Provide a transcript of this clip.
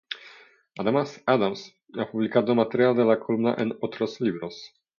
Además Adams ha publicado material de la columna en otros libros.